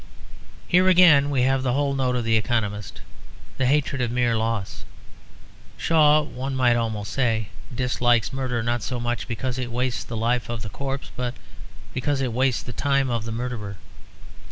Here again we have the note of the economist, the hatred of mere loss. Shaw (one might almost say) dislikes murder, not so much because it wastes the life of the corpse as because it wastes the time of the murderer.